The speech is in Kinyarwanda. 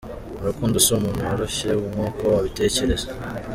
Mu rukundo, si umuntu woroshye nk’uko wabitekereza.